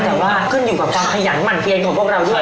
แต่ว่าขึ้นอยู่กับต้องมีความขยันหวั่นเคียงของพวกเราว่า